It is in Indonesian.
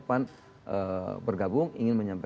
pan bergabung ingin menyebutnya